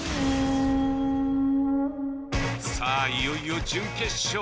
さあいよいよ準決勝。